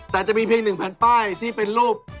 แต่จะมีเพียง๑แผ่นป้ายที่เป็นรูป